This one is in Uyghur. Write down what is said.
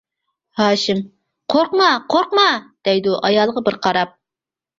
ھاشىم:-قورقما، قورقما دەيدۇ ئايالىغا بىر قاراپ.